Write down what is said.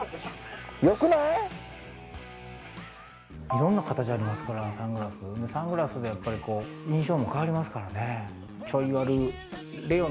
いろんな形ありますからサングラスでやっぱ印象も変わりますからね。